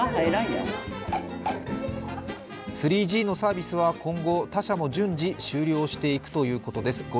３Ｇのサービスは今後、他社も順次終了していくということです。